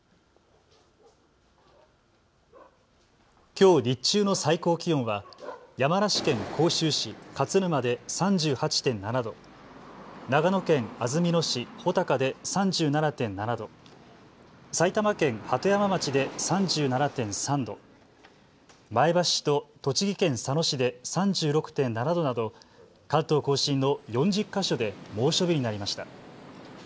きょう日中の最高気温は山梨県甲州市勝沼で３８．７度、長野県安曇野市穂高で３７．７度、埼玉県鳩山町で３７．３度、前橋市と栃木県佐野市で３６．７度など関東甲信の４０か所で猛暑日になりました。